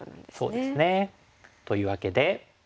そうですね。というわけで。